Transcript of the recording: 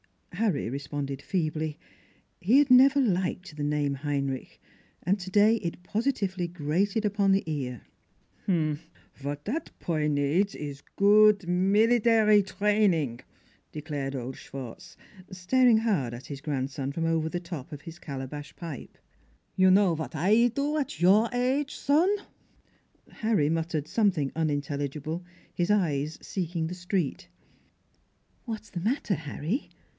" Harry responded feebly. He had never liked the name Heinrich, and today it positively grated upon the ear. " Vot dot poy needs is goot milidary drain ing," declared old Schwartz, staring hard at his grandson from over the top of his calabash pipe. " You know vat I do at your age, zon?" Harry muttered something unintelligible, his eyes seeking the street. 'What's the matter, Harry?"